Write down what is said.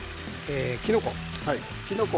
きのこ